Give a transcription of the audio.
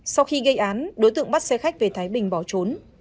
sau khi gây án đối tượng bắt xe khách về thái bình bỏ trốn